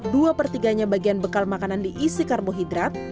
dua per tiganya bagian bekal makanan diisi karbohidrat